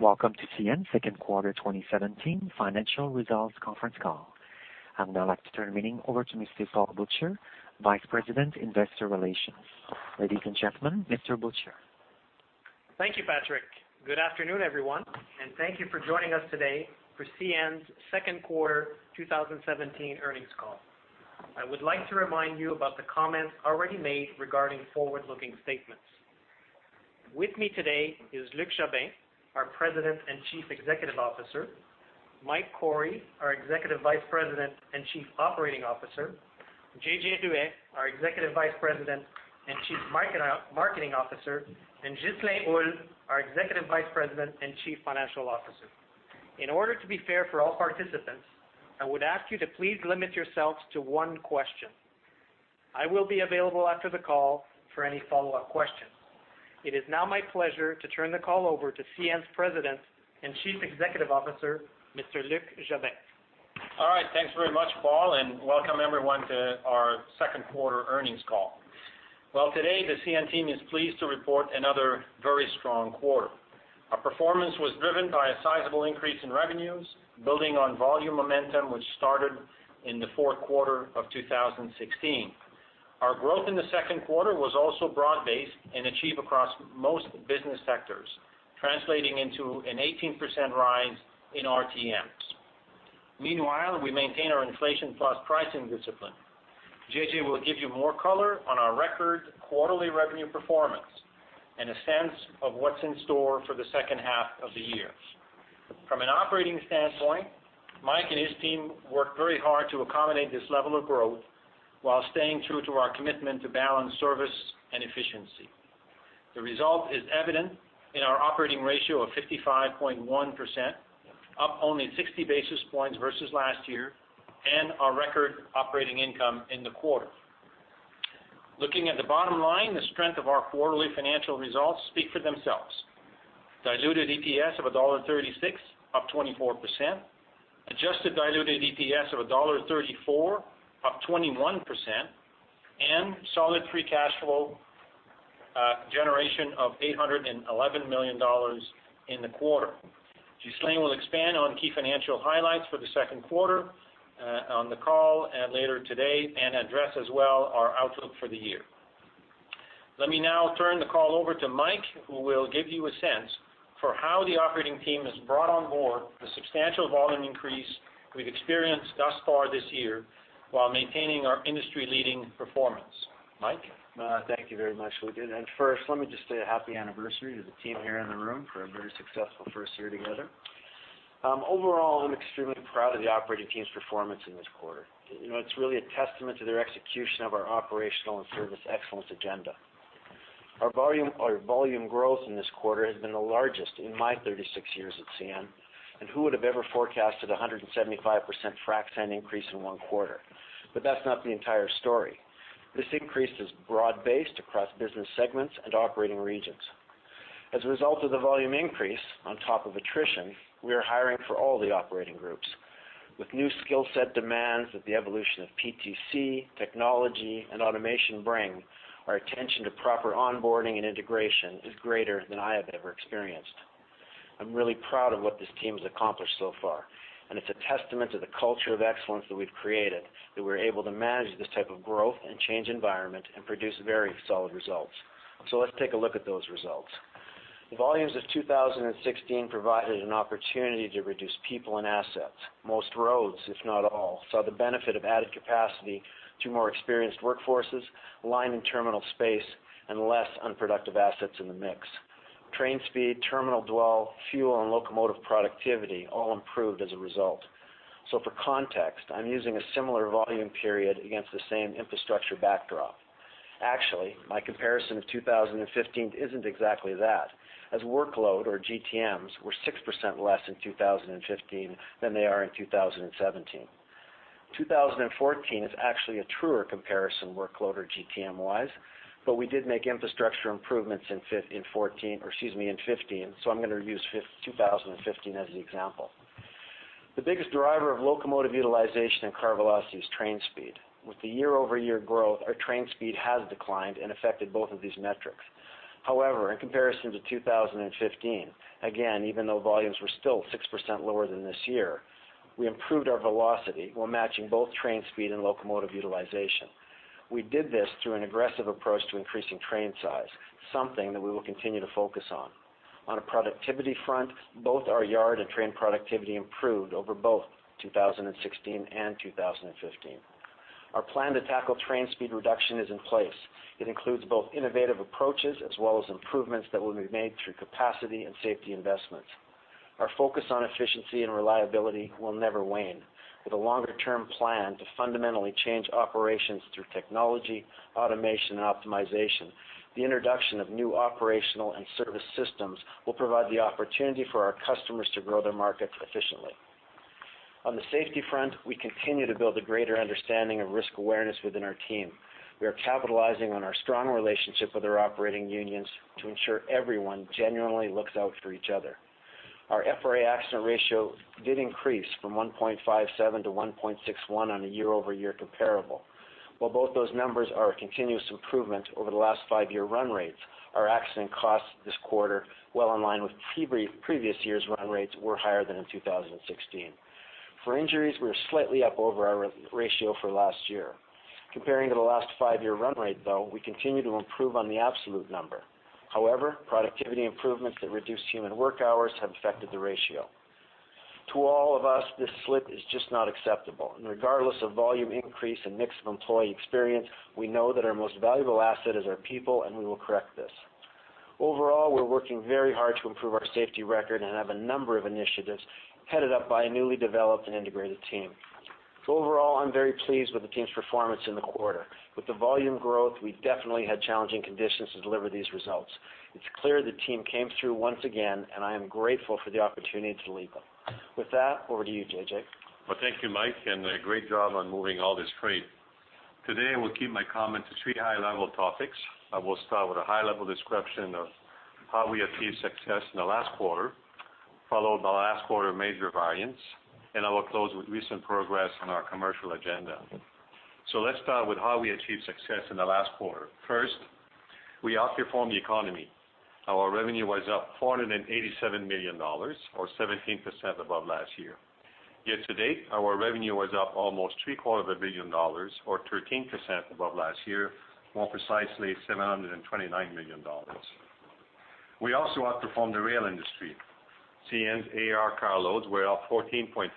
Welcome to CN Second Quarter 2017 Financial Results Conference Call. I'd now like to turn the meeting over to Mr. Paul Butcher, Vice President, Investor Relations. Ladies, and gentlemen, Mr. Butcher. Thank you, Patrick. Good afternoon, everyone, and thank you for joining us today for CN's Second Quarter 2017 Earnings Call. I would like to remind you about the comments already made regarding forward-looking statements. With me today is Luc Jobin, our President and Chief Executive Officer; Mike Cory, our Executive Vice President and Chief Operating Officer; JJ Ruest, our Executive Vice President and Chief Marketing Officer; and Ghislain Houle, our Executive Vice President and Chief Financial Officer. In order to be fair for all participants, I would ask you to please limit yourselves to one question. I will be available after the call for any follow-up questions. It is now my pleasure to turn the call over to CN's President and Chief Executive Officer, Mr. Luc Jobin. All right, thanks very much, Paul, and welcome everyone to our Second Quarter Earnings Call. Well, today, the CN team is pleased to report another very strong quarter. Our performance was driven by a sizable increase in revenues, building on volume momentum, which started in the fourth quarter of 2016. Our growth in the second quarter was also broad-based and achieved across most business sectors, translating into an 18% rise in RTMs. Meanwhile, we maintain our inflation plus pricing discipline. JJ will give you more color on our record quarterly revenue performance and a sense of what's in store for the second half of the year. From an operating standpoint, Mike and his team worked very hard to accommodate this level of growth while staying true to our commitment to balance service and efficiency. The result is evident in our operating ratio of 55.1%, up only 60 basis points versus last year, and our record operating income in the quarter. Looking at the bottom line, the strength of our quarterly financial results speak for themselves. Diluted EPS of dollar 1.36, up 24%, adjusted diluted EPS of dollar 1.34, up 21%, and solid free cash flow generation of 811 million dollars in the quarter. Ghislain will expand on key financial highlights for the second quarter on the call and later today, and address as well our outlook for the year. Let me now turn the call over to Mike, who will give you a sense for how the operating team has brought on board the substantial volume increase we've experienced thus far this year while maintaining our industry-leading performance. Mike? Thank you very much, Luc. And first, let me just say happy anniversary to the team here in the room for a very successful first year together. Overall, I'm extremely proud of the operating team's performance in this quarter. You know, it's really a testament to their execution of our operational and service excellence agenda. Our volume, our volume growth in this quarter has been the largest in my 36 years at CN, and who would have ever forecasted a 175% frac sand increase in one quarter? But that's not the entire story. This increase is broad-based across business segments and operating regions. As a result of the volume increase, on top of attrition, we are hiring for all the operating groups. With new skill set demands that the evolution of PTC, technology, and automation bring, our attention to proper onboarding and integration is greater than I have ever experienced. I'm really proud of what this team has accomplished so far, and it's a testament to the culture of excellence that we've created, that we're able to manage this type of growth and change environment and produce very solid results. So let's take a look at those results. The volumes of 2016 provided an opportunity to reduce people and assets. Most roads, if not all, saw the benefit of added capacity to more experienced workforces, line and terminal space, and less unproductive assets in the mix. Train speed, terminal dwell, fuel, and locomotive productivity all improved as a result. So for context, I'm using a similar volume period against the same infrastructure backdrop. Actually, my comparison of 2015 isn't exactly that, as workload or GTMs were 6% less in 2015 than they are in 2017. 2014 is actually a truer comparison, workload or GTM-wise, but we did make infrastructure improvements in 2014, or excuse me, in 2015, so I'm gonna use 2015 as the example. The biggest driver of locomotive utilization and car velocity is train speed. With the year-over-year growth, our train speed has declined and affected both of these metrics. However, in comparison to 2015, again, even though volumes were still 6% lower than this year, we improved our velocity while matching both train speed and locomotive utilization. We did this through an aggressive approach to increasing train size, something that we will continue to focus on. On a productivity front, both our yard and train productivity improved over both 2016 and 2015. Our plan to tackle train speed reduction is in place. It includes both innovative approaches as well as improvements that will be made through capacity and safety investments. Our focus on efficiency and reliability will never wane. With a longer-term plan to fundamentally change operations through technology, automation, and optimization, the introduction of new operational and service systems will provide the opportunity for our customers to grow their markets efficiently. On the safety front, we continue to build a greater understanding of risk awareness within our team. We are capitalizing on our strong relationship with our operating unions to ensure everyone genuinely looks out for each other. Our FRA accident ratio did increase from 1.57-1.61 on a year-over-year comparable. While both those numbers are a continuous improvement over the last five-year run rates, our accident costs this quarter, well in line with previous year's run rates, were higher than in 2016. For injuries, we are slightly up over our ratio for last year. Comparing to the last five-year run rate, though, we continue to improve on the absolute number. However, productivity improvements that reduce human work hours have affected the ratio. To all of us, this slip is just not acceptable, and regardless of volume increase and mix of employee experience, we know that our most valuable asset is our people, and we will correct this. Overall, we're working very hard to improve our safety record and have a number of initiatives headed up by a newly developed and integrated team. So overall, I'm very pleased with the team's performance in the quarter. With the volume growth, we definitely had challenging conditions to deliver these results. It's clear the team came through once again, and I am grateful for the opportunity to lead them. With that, over to you, JJ. Well, thank you, Mike, and great job on moving all this freight. Today, I will keep my comments to three high-level topics. I will start with a high-level description of how we achieved success in the last quarter, followed by last quarter major variance, and I will close with recent progress on our commercial agenda. So let's start with how we achieved success in the last quarter. First, we outperformed the economy. Our revenue was up 487 million dollars, or 17% above last year. Year-to-date, our revenue was up almost 750 million dollars, or 13% above last year, more precisely, 729 million dollars. We also outperformed the rail industry. CN's AAR carloads were up 14.5%,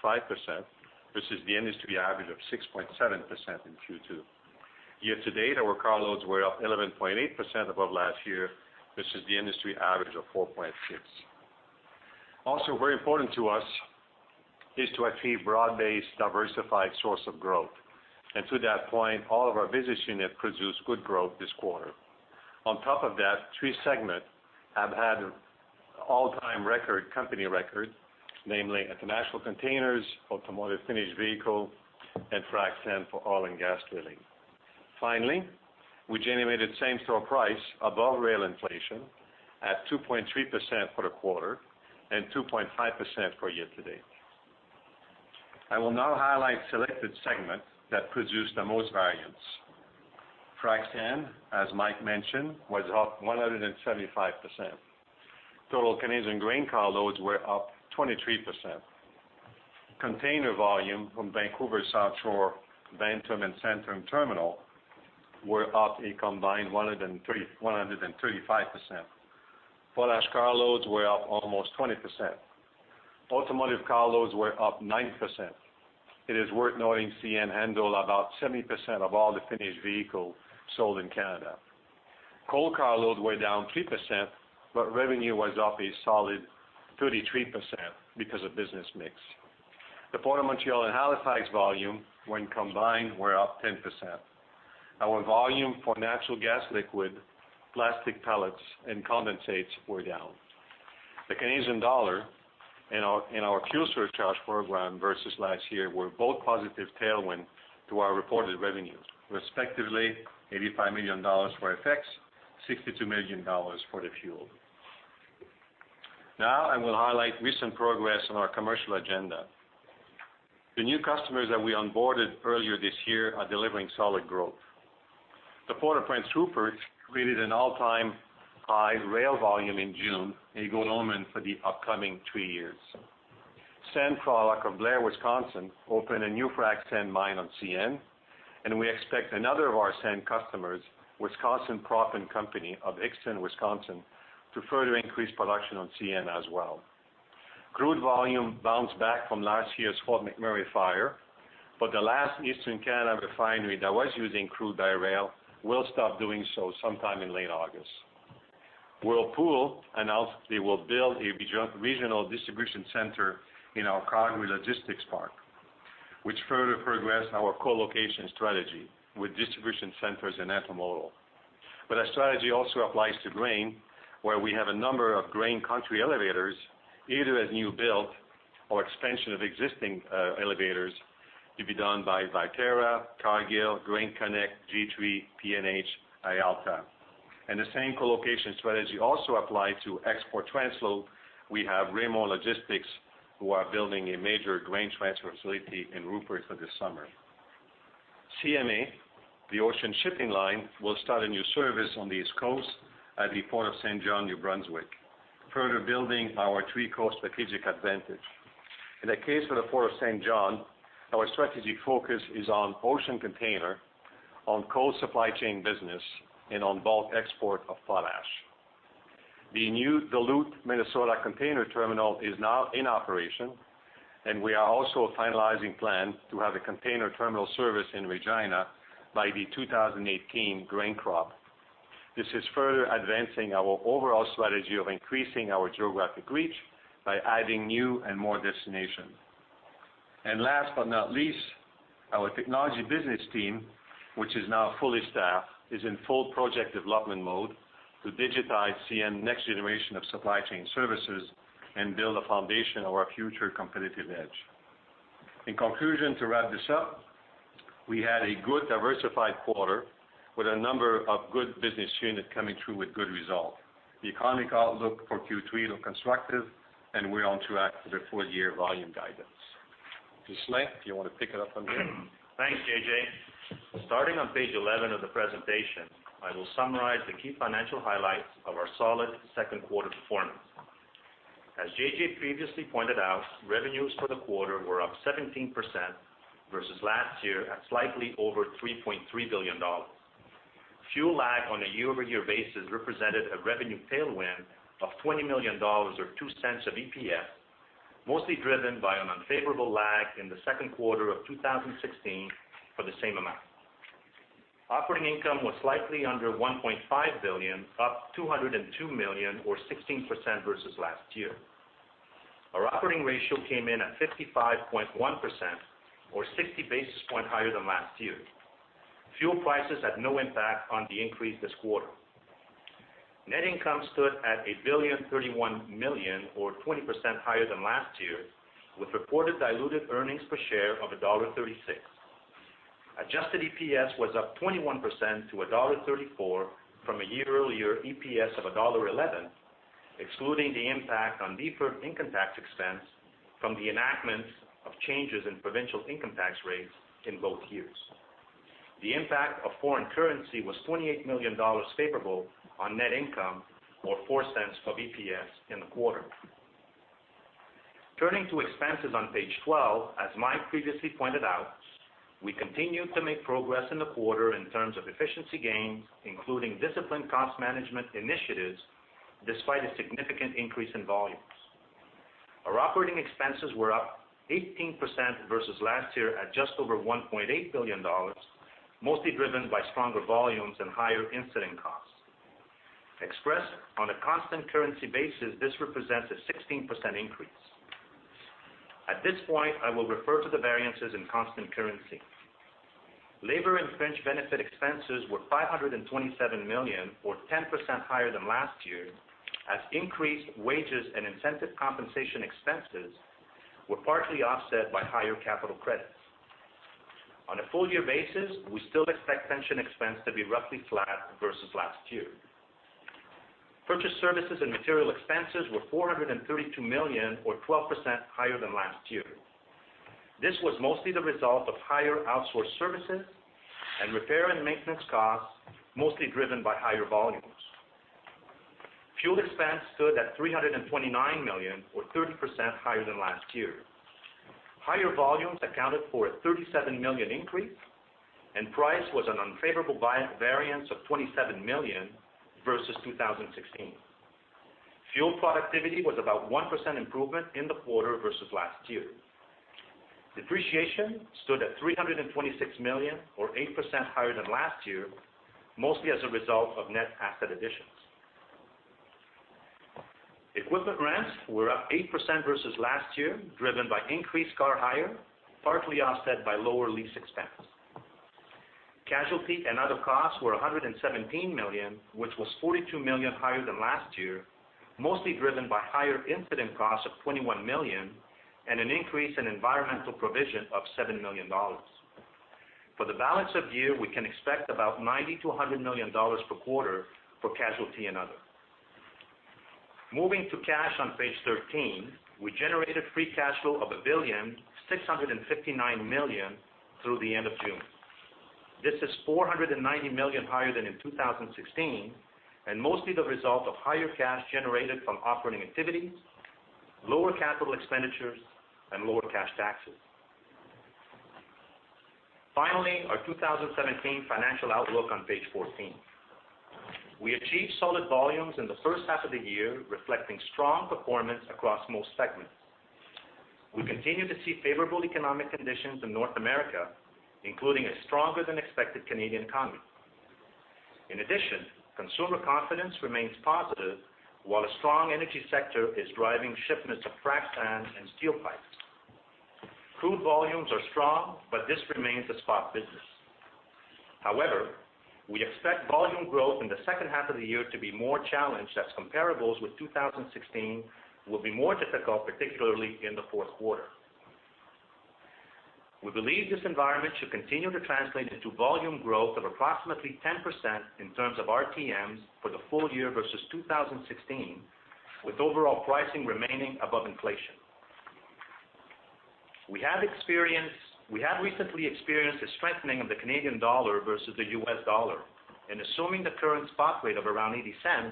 versus the industry average of 6.7% in Q2. Year-to-date, our carloads were up 11.8% above last year, versus the industry average of 4.6%. Also very important to us is to achieve broad-based, diversified source of growth. And to that point, all of our business unit produce good growth this quarter. On top of that, three segment have had all-time record, company record, namely International Containers, Automotive Finished Vehicle, and Frac Sand for oil and gas drilling. Finally, we generated same-store price above rail inflation at 2.3% for the quarter and 2.5% for year-to-date. I will now highlight selected segments that produced the most variance. Frac Sand, as Mike mentioned, was up 175%. Total Canadian grain carloads were up 23%. Container volume from Vancouver South Shore, Vanterm and Centerm Terminal were up a combined 135%. Potash carloads were up almost 20%. Automotive carloads were up 9%. It is worth noting, CN handle about 70% of all the finished vehicle sold in Canada. Coal carloads were down 3%, but revenue was up a solid 33% because of business mix. The Port of Montreal and Halifax volume, when combined, were up 10%. Our volume for natural gas liquid, plastic pellets, and condensates were down. The Canadian dollar and our fuel surcharge program versus last year were both positive tailwind to our reported revenues, respectively, 85 million dollars for FX, 62 million dollars for the fuel. Now, I will highlight recent progress on our commercial agenda. The new customers that we onboarded earlier this year are delivering solid growth. The Port of Prince Rupert created an all-time high rail volume in June, a good omen for the upcoming three years. Sand Products, LLC of Blair, Wisconsin, opened a new frac sand mine on CN, and we expect another of our sand customers, Wisconsin Proppant Company of Ixonia, Wisconsin, to further increase production on CN as well. Crude volume bounced back from last year's Fort McMurray fire, but the last Eastern Canada refinery that was using crude by rail will stop doing so sometime in late August. Whirlpool announced they will build a regional distribution center in our Calgary logistics park, which further progress our co-location strategy with distribution centers and intermodal. But our strategy also applies to grain, where we have a number of grain country elevators, either as new build or expansion of existing, elevators, to be done by Viterra, Cargill, GrainConnect, G3, P&H, Ilta. And the same co-location strategy also apply to export transload. We have Ray-Mont Logistics, who are building a major grain transfer facility in Rupert for this summer. CMA, the ocean shipping line, will start a new service on the East Coast at the Port of Saint John, New Brunswick, further building our three-coast strategic advantage. In the case of the Port of Saint John, our strategy focus is on ocean container, on coal supply chain business, and on bulk export of potash. The new Duluth, Minnesota, container terminal is now in operation, and we are also finalizing plans to have a container terminal service in Regina by the 2018 grain crop. This is further advancing our overall strategy of increasing our geographic reach by adding new and more destinations. And last but not least, our technology business team, which is now fully staffed, is in full project development mode to digitize CN next generation of supply chain services and build a foundation of our future competitive edge. In conclusion, to wrap this up, we had a good, diversified quarter... with a number of good business units coming through with good results. The economic outlook for Q3 look constructive, and we're on track for the full year volume guidance. Ghislain, do you want to pick it up from here? Thanks, JJ. Starting on page 11 of the presentation, I will summarize the key financial highlights of our solid second quarter performance. As JJ previously pointed out, revenues for the quarter were up 17% versus last year, at slightly over 3.3 billion dollars. Fuel lag on a year-over-year basis represented a revenue tailwind of 20 million dollars or 0.02 of EPS, mostly driven by an unfavorable lag in the second quarter of 2016 for the same amount. Operating income was slightly under 1.5 billion, up 202 million or 16% versus last year. Our operating ratio came in at 55.1% or 60 basis points higher than last year. Fuel prices had no impact on the increase this quarter. Net income stood at 1.031 billion or 20% higher than last year, with reported diluted earnings per share of dollar 1.36. Adjusted EPS was up 21% to dollar 1.34 from a year earlier EPS of dollar 1.11, excluding the impact on deferred income tax expense from the enactment of changes in provincial income tax rates in both years. The impact of foreign currency was 28 million dollars favorable on net income, or 0.04 of EPS in the quarter. Turning to expenses on page 12, as Mike previously pointed out, we continued to make progress in the quarter in terms of efficiency gains, including disciplined cost management initiatives, despite a significant increase in volumes. Our operating expenses were up 18% versus last year at just over 1.8 billion dollars, mostly driven by stronger volumes and higher incident costs. Expressed on a constant currency basis, this represents a 16% increase. At this point, I will refer to the variances in constant currency. Labor and fringe benefit expenses were 527 million, or 10% higher than last year, as increased wages and incentive compensation expenses were partly offset by higher capital credits. On a full year basis, we still expect pension expense to be roughly flat versus last year. Purchase services and materials expenses were 432 million, or 12% higher than last year. This was mostly the result of higher outsourced services and repair and maintenance costs, mostly driven by higher volumes. Fuel expense stood at 329 million, or 30% higher than last year. Higher volumes accounted for a 37 million increase, and price was an unfavorable variance of 27 million versus 2016. Fuel productivity was about 1% improvement in the quarter versus last year. Depreciation stood at 326 million, or 8% higher than last year, mostly as a result of net asset additions. Equipment rents were up 8% versus last year, driven by increased car hire, partly offset by lower lease expense. Casualty and other costs were 117 million, which was 42 million higher than last year, mostly driven by higher incident costs of 21 million and an increase in environmental provision of 7 million dollars. For the balance of the year, we can expect about 90 million-100 million dollars per quarter for casualty and other. Moving to cash on page 13, we generated free cash flow of 1,659 million through the end of June. This is 490 million higher than in 2016, and mostly the result of higher cash generated from operating activities, lower capital expenditures, and lower cash taxes. Finally, our 2017 financial outlook on page 14. We achieved solid volumes in the first half of the year, reflecting strong performance across most segments. We continue to see favorable economic conditions in North America, including a stronger than expected Canadian economy. In addition, consumer confidence remains positive, while a strong energy sector is driving shipments of frac sand and steel pipes. Crude volumes are strong, but this remains a spot business. However, we expect volume growth in the second half of the year to be more challenged, as comparables with 2016 will be more difficult, particularly in the fourth quarter. We believe this environment should continue to translate into volume growth of approximately 10% in terms of RTMs for the full year versus 2016, with overall pricing remaining above inflation. We have recently experienced a strengthening of the Canadian dollar versus the U.S. dollar, and assuming the current spot rate of around 0.80,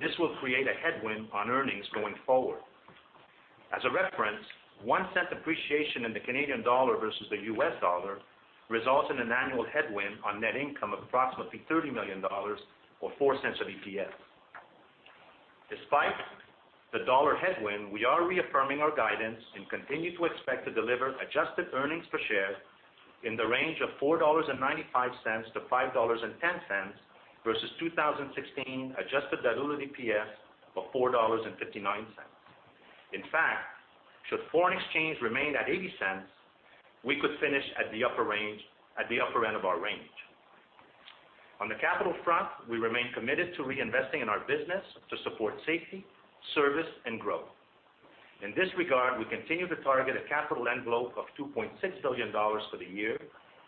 this will create a headwind on earnings going forward. As a reference, 0.01 appreciation in the Canadian dollar versus the U.S. dollar results in an annual headwind on net income of approximately 30 million dollars or 0.04 of EPS. Despite the dollar headwind, we are reaffirming our guidance and continue to expect to deliver adjusted earnings per share in the range of 4.95-5.10 dollars, versus 2016 adjusted diluted EPS of 4.59 dollars. In fact, should foreign exchange remain at 0.80, we could finish at the upper range, at the upper end of our range. On the capital front, we remain committed to reinvesting in our business to support safety, service, and growth. ...In this regard, we continue to target a capital envelope of 2.6 billion dollars for the year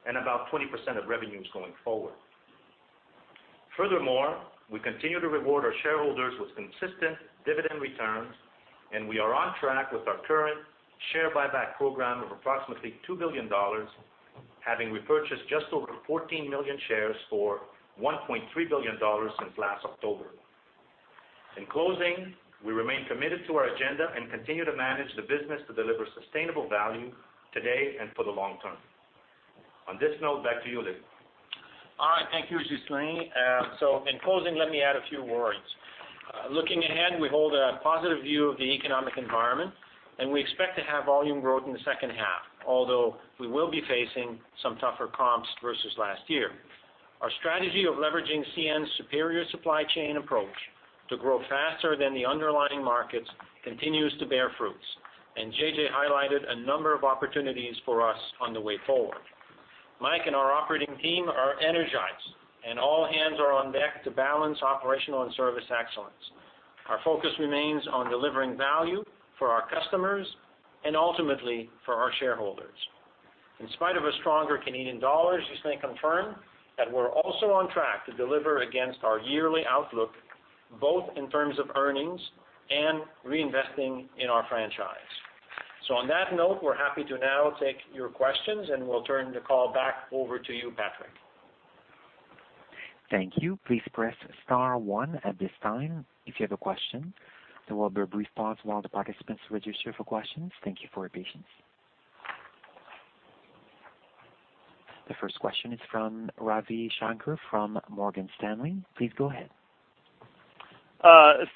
and about 20% of revenues going forward. Furthermore, we continue to reward our shareholders with consistent dividend returns, and we are on track with our current share buyback program of approximately 2 billion dollars, having repurchased just over 14 million shares for 1.3 billion dollars since last October. In closing, we remain committed to our agenda and continue to manage the business to deliver sustainable value today and for the long term. On this note, back to you, Luc. All right, thank you, Ghislain. In closing, let me add a few words. Looking ahead, we hold a positive view of the economic environment, and we expect to have volume growth in the second half, although we will be facing some tougher comps versus last year. Our strategy of leveraging CN's superior supply chain approach to grow faster than the underlying markets continues to bear fruits, and JJ highlighted a number of opportunities for us on the way forward. Mike and our operating team are energized, and all hands are on deck to balance operational and service excellence. Our focus remains on delivering value for our customers and ultimately for our shareholders. In spite of a stronger Canadian dollar, Ghislain confirmed that we're also on track to deliver against our yearly outlook, both in terms of earnings and reinvesting in our franchise. On that note, we're happy to now take your questions, and we'll turn the call back over to you, Patrick. Thank you. Please press star one at this time, if you have a question. There will be a brief pause while the participants register for questions. Thank you for your patience. The first question is from Ravi Shanker from Morgan Stanley. Please go ahead.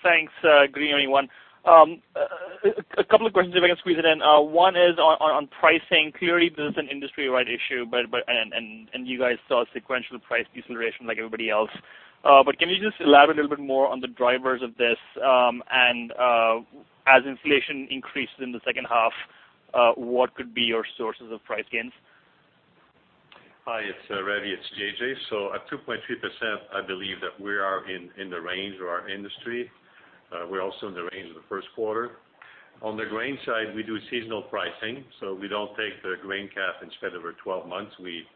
Thanks, good evening, everyone. A couple of questions, if I can squeeze it in. One is on pricing. Clearly, this is an industry-wide issue, but and you guys saw sequential price deceleration like everybody else. But can you just elaborate a little bit more on the drivers of this? And, as inflation increases in the second half, what could be your sources of price gains? Hi, it's Ravi, it's JJ. So at 2.3%, I believe that we are in the range of our industry. We're also in the range of the first quarter. On the grain side, we do seasonal pricing, so we don't take the grain cap and spread over 12 months. We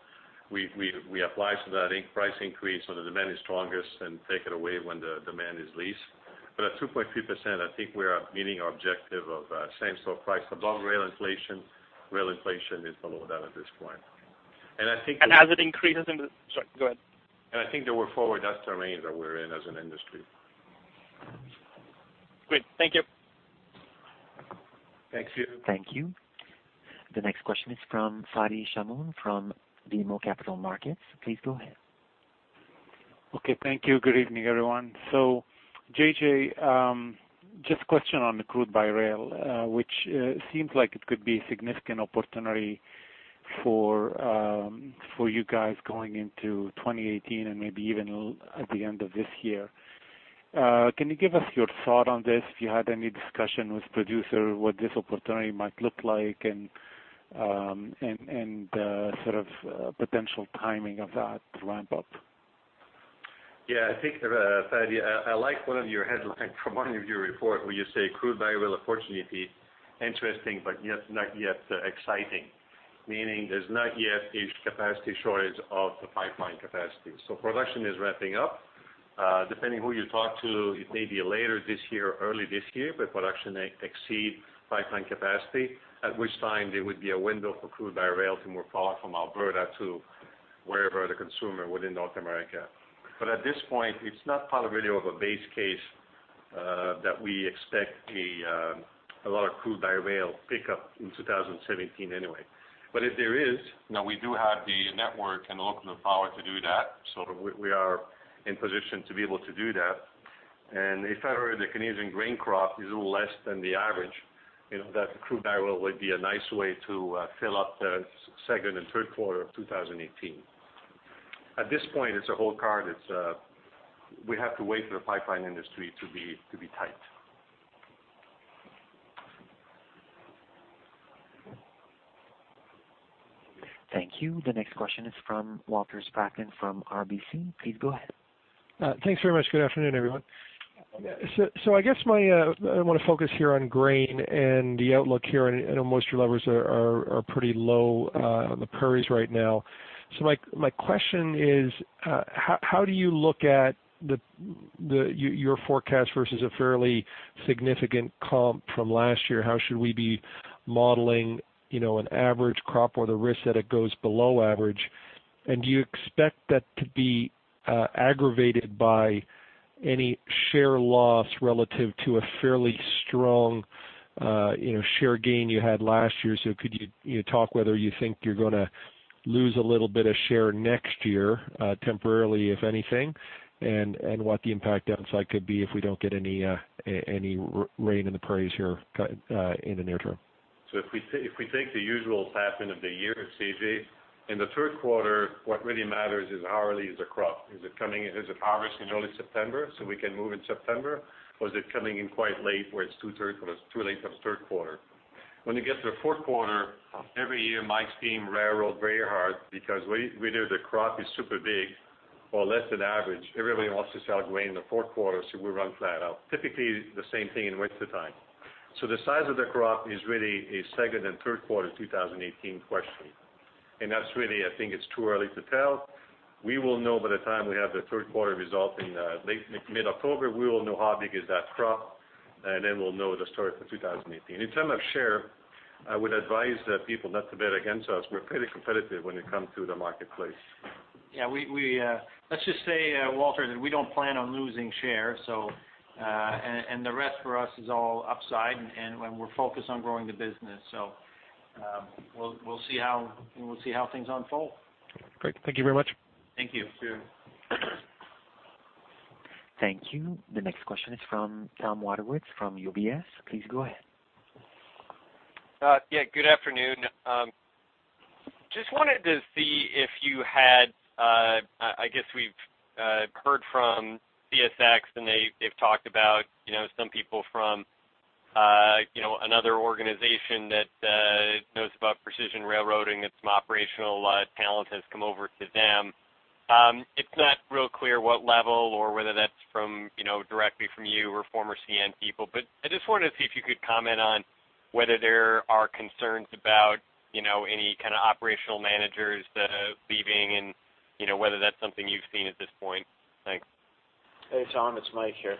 apply that price increase when the demand is strongest and take it away when the demand is least. But at 2.3%, I think we are meeting our objective of same store price. Above rail inflation, rail inflation is below that at this point. And I think- And as it increases... Sorry, go ahead. I think they were forward. That's the range that we're in as an industry. Great. Thank you. Thank you. Thank you. The next question is from Fadi Chamoun, from BMO Capital Markets. Please go ahead. Okay, thank you. Good evening, everyone. So, JJ, just a question on the crude by rail, which seems like it could be a significant opportunity for you guys going into 2018 and maybe even a little at the end of this year. Can you give us your thought on this, if you had any discussion with producer, what this opportunity might look like, and sort of potential timing of that ramp up? Yeah, I think, Fadi, I like one of your headlines from one of your report, where you say, "Crude by rail, unfortunately, interesting, but yet, not yet exciting." Meaning, there's not yet a capacity shortage of the pipeline capacity. So production is ramping up. Depending who you talk to, it may be later this year or early this year, but production may exceed pipeline capacity, at which time there would be a window for crude by rail to move product from Alberta to wherever the consumer within North America. But at this point, it's not part really of a base case, that we expect a lot of crude by rail pickup in 2017 anyway. But if there is, now we do have the network and the ultimate power to do that, so we, we are in position to be able to do that. And if ever the Canadian grain crop is a little less than the average, you know, that crude by rail would be a nice way to fill up the second and third quarter of 2018. At this point, it's a wild card. It's... We have to wait for the pipeline industry to be, to be tight. Thank you. The next question is from Walter Spracklin, from RBC. Please go ahead. Thanks very much. Good afternoon, everyone. So I guess my I want to focus here on grain and the outlook here, and I know moisture levels are pretty low on the prairies right now. So my question is, how do you look at the your forecast versus a fairly significant comp from last year? How should we be modeling, you know, an average crop or the risk that it goes below average? And do you expect that to be aggravated by any share loss relative to a fairly strong, you know, share gain you had last year? So could you, you know, talk whether you think you're gonna lose a little bit of share next year, temporarily, if anything, and what the impact downside could be if we don't get any rain in the prairies here in the near term? So if we take the usual pattern of the year, CJ, in the third quarter, what really matters is how really is the crop? Is it coming, is it harvest in early September, so we can move in September? Or is it coming in quite late, where it's two-thirds or too late of third quarter? When it gets to the fourth quarter, every year, Mike's team railroad very hard because we know the crop is super big or less than average. Everybody wants to sell grain in the fourth quarter, so we run flat out. Typically, the same thing in wintertime. So the size of the crop is really a second and third quarter 2018 question. And that's really, I think, it's too early to tell. We will know by the time we have the third quarter result in, late to mid-October, we will know how big is that crop, and then we'll know the story for 2018. In term of share, I would advise the people not to bet against us. We're pretty competitive when it comes to the marketplace. Yeah, let's just say, Walter, that we don't plan on losing share, so, and the rest for us is all upside, and we're focused on growing the business. So, we'll see how, and we'll see how things unfold. Great. Thank you very much. Thank you. Sure. Thank you. The next question is from Tom Wadewitz from UBS. Please go ahead. Yeah, good afternoon. Just wanted to see if you had, I guess we've heard from CSX, and they've talked about, you know, some people from, you know, another organization that knows about precision railroading and some operational talent has come over to them. It's not real clear what level or whether that's from, you know, directly from you or former CN people. But I just wanted to see if you could comment on whether there are concerns about, you know, any kind of operational managers leaving and, you know, whether that's something you've seen at this point. Thanks. Hey, Tom, it's Mike here.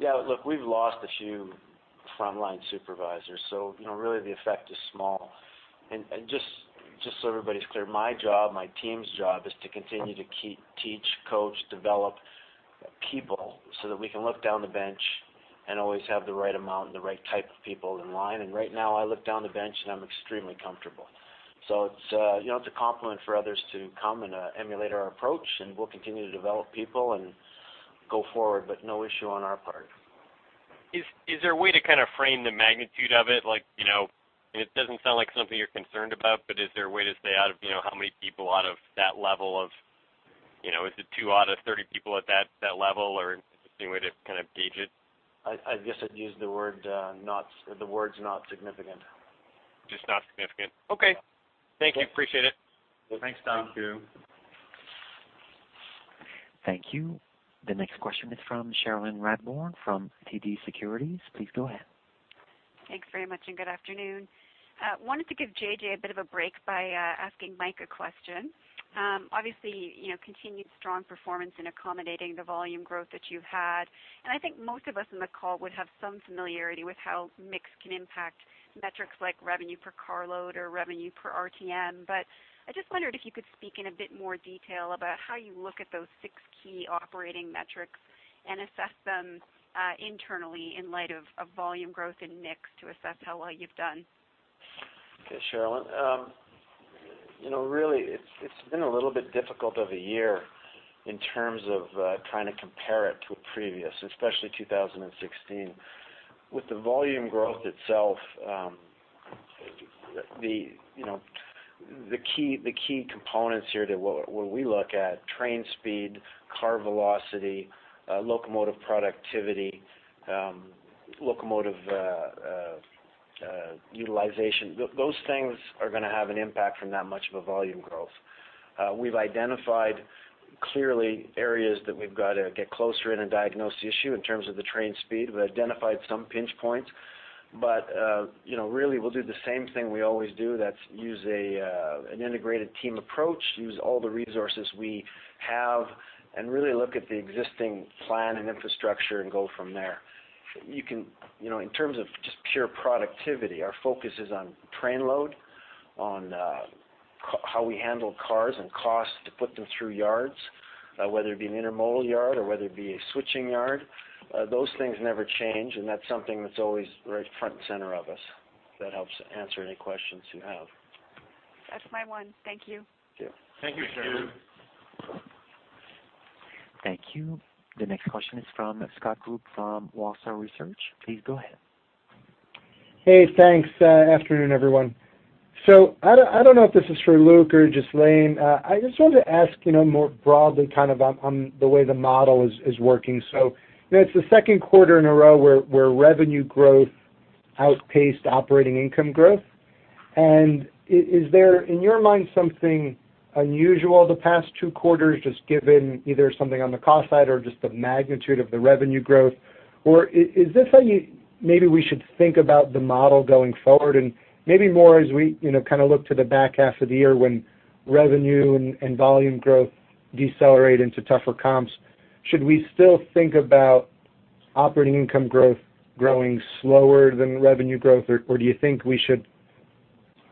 Yeah, look, we've lost a few frontline supervisors, so you know, really, the effect is small. And just so everybody's clear, my job, my team's job, is to continue to keep, teach, coach, develop people so that we can look down the bench and always have the right amount and the right type of people in line. And right now, I look down the bench, and I'm extremely comfortable. So it's, you know, it's a compliment for others to come and emulate our approach, and we'll continue to develop people and go forward, but no issue on our part. Is there a way to kind of frame the magnitude of it? Like, you know, it doesn't sound like something you're concerned about, but is there a way to say out of, you know, how many people out of that level of, you know, is it two out of 30 people at that level, or is there any way to kind of gauge it? I guess I'd use the words, "not significant. Just not significant. Okay. Yep. Thank you. Appreciate it. Well, thanks, Tom. Thank you. Thank you. The next question is from Cherilyn Radbourne, from TD Securities. Please go ahead. Thanks very much, and good afternoon. Wanted to give JJ a bit of a break by asking Mike a question. Obviously, you know, continued strong performance in accommodating the volume growth that you've had. I think most of us on the call would have some familiarity with how mix can impact metrics like revenue per carload or revenue per RTM. I just wondered if you could speak in a bit more detail about how you look at those six key operating metrics and assess them internally in light of volume growth in mix to assess how well you've done. Okay, Cherilyn. You know, really, it's been a little bit difficult of a year in terms of trying to compare it to a previous, especially 2016. With the volume growth itself, you know, the key components here to what we look at, train speed, car velocity, locomotive productivity, locomotive utilization. Those things are gonna have an impact from that much of a volume growth. We've identified clearly areas that we've got to get closer in and diagnose the issue in terms of the train speed. We've identified some pinch points, but you know, really, we'll do the same thing we always do, that's use a an integrated team approach, use all the resources we have, and really look at the existing plan and infrastructure and go from there. You can—you know, in terms of just pure productivity, our focus is on train load, on how we handle cars and costs to put them through yards, whether it be an intermodal yard or whether it be a switching yard. Those things never change, and that's something that's always right front and center of us. If that helps answer any questions you have. That's my one. Thank you. Yeah. Thank you, Cherilyn. Thank you. Thank you. The next question is from Scott Group from Wolfe Research. Please go ahead. Hey, thanks. Afternoon, everyone. So I don't, I don't know if this is for Luc or Ghislain. I just wanted to ask, you know, more broadly, kind of on, on the way the model is working. So, you know, it's the second quarter in a row where revenue growth outpaced operating income growth. And is there, in your mind, something unusual the past two quarters, just given either something on the cost side or just the magnitude of the revenue growth? Or is this how you... maybe we should think about the model going forward? And maybe more as we, you know, kind of look to the back half of the year when revenue and volume growth decelerate into tougher comps, should we still think about operating income growth growing slower than revenue growth? Or do you think we should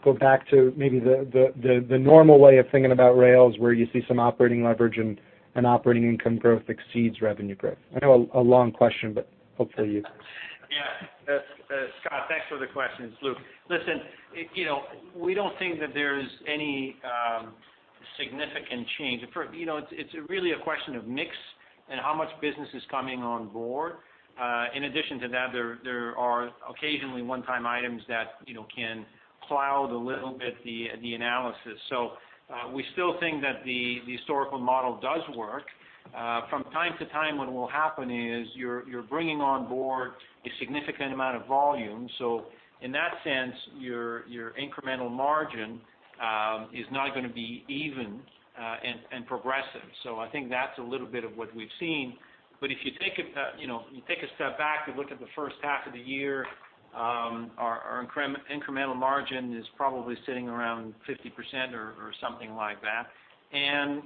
go back to maybe the normal way of thinking about rails, where you see some operating leverage and operating income growth exceeds revenue growth? I know a long question, but hopefully, you- Yeah. Scott, thanks for the question. It's Luc. Listen, it, you know, we don't think that there's any significant change. For, you know, it's really a question of mix... and how much business is coming on board. In addition to that, there are occasionally one-time items that, you know, can cloud a little bit the analysis. So, we still think that the historical model does work. From time to time, what will happen is, you're bringing on board a significant amount of volume, so in that sense, your incremental margin is not gonna be even, and progressive. So I think that's a little bit of what we've seen. If you take a step back and look at the first half of the year, our incremental margin is probably sitting around 50% or something like that.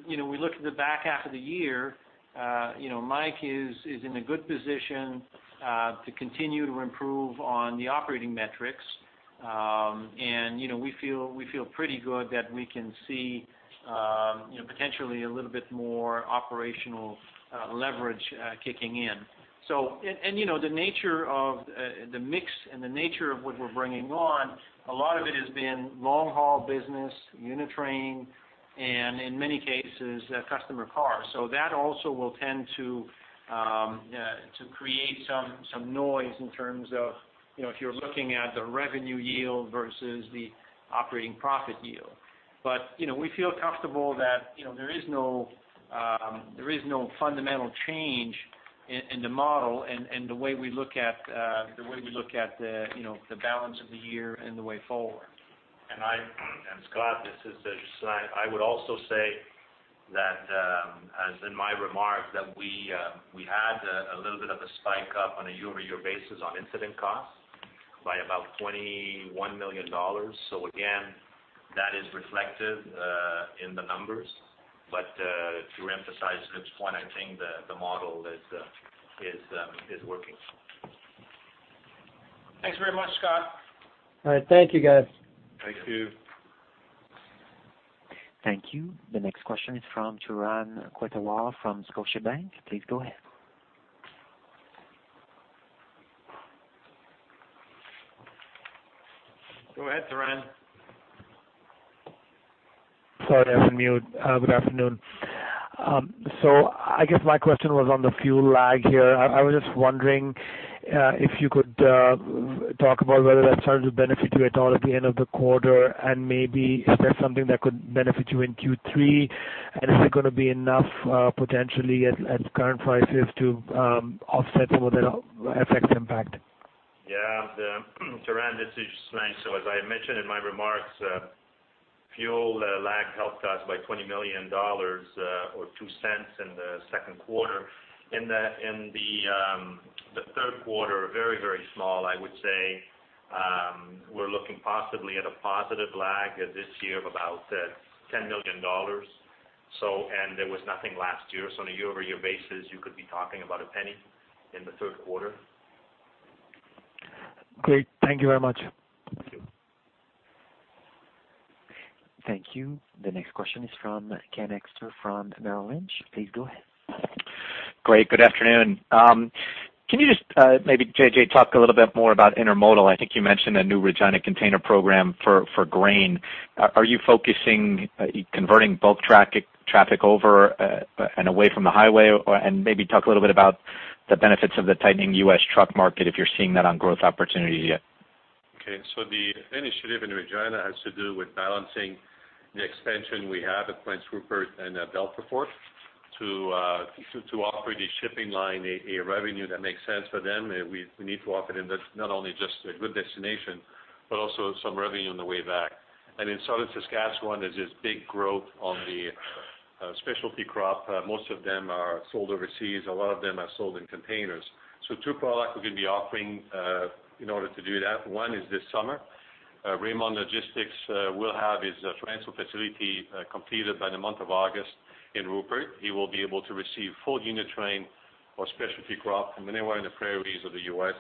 You know, we look at the back half of the year. You know, Mike is in a good position to continue to improve on the operating metrics. You know, we feel pretty good that we can see you know, potentially a little bit more operational leverage kicking in. You know, the nature of the mix and the nature of what we're bringing on, a lot of it has been long-haul business, unit train, and in many cases, customer cars. So that also will tend to create some noise in terms of, you know, if you're looking at the revenue yield versus the operating profit yield. But, you know, we feel comfortable that, you know, there is no fundamental change in the model and the way we look at the, you know, the balance of the year and the way forward. And Scott, this is Ghislain, I would also say that, as in my remarks, that we had a little bit of a spike up on a year-over-year basis on incident costs, by about 21 million dollars. So again, that is reflected in the numbers. But to emphasize Chip's point, I think the model is working. Thanks very much, Scott. All right. Thank you, guys. Thank you. Thank you. The next question is from Turan Quettawala from Scotiabank. Please go ahead. Go ahead, Turan. Sorry, I was on mute. Good afternoon. So I guess my question was on the fuel lag here. I was just wondering if you could talk about whether that started to benefit you at all at the end of the quarter, and maybe is that something that could benefit you in Q3? And is it gonna be enough, potentially at current prices to offset some of the FX impact? Yeah, Turan, this is Ghislain. So as I mentioned in my remarks, fuel lag helped us by 20 million dollars, or 0.02 in the second quarter. In the third quarter, very, very small, I would say. We're looking possibly at a positive lag this year of about 10 million dollars. So and there was nothing last year, so on a year-over-year basis, you could be talking about CAD 0.01 in the third quarter. Great. Thank you very much. Thank you. Thank you. The next question is from Ken Hoexter from Bank of America Merrill Lynch. Please go ahead. Great, good afternoon. Can you just maybe JJ, talk a little bit more about intermodal? I think you mentioned a new Regina container program for grain. Are you focusing converting bulk traffic over and away from the highway? Or, and maybe talk a little bit about the benefits of the tightening U.S. truck market, if you're seeing that on growth opportunities yet. Okay. So the initiative in Regina has to do with balancing the expansion we have at Prince Rupert and at Belle Plaine to offer the shipping line a revenue that makes sense for them. We need to offer them that's not only just a good destination, but also some revenue on the way back. And in southern Saskatchewan, there's this big growth on the specialty crop. Most of them are sold overseas. A lot of them are sold in containers. So two products we're gonna be offering in order to do that. One is this summer, Ray-Mont Logistics will have his transfer facility completed by the month of August in Rupert. He will be able to receive full unit train or specialty crop from anywhere in the prairies of the U.S.,